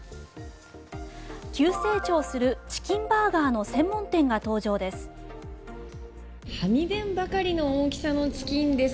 急成長するチキンバーガーの専門店が登場です。